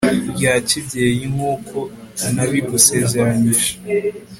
rya kibyeyi nkuko nabigusezeranyije